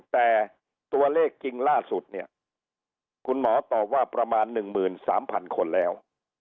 แต่ตัวเลขจริงล่าสุดเนี่ยคุณหมอตอบว่าประมาณ๑๓๐๐๐คนแล้ว